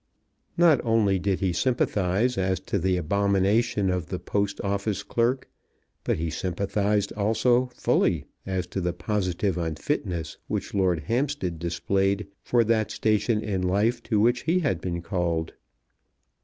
Not only did he sympathize as to the abomination of the Post Office clerk, but he sympathized also fully as to the positive unfitness which Lord Hampstead displayed for that station in life to which he had been called.